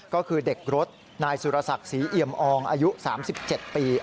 ก็คือเด็กรถนายสุรศักดิ์ศรีเอี่ยมอองอายุ๓๗ปี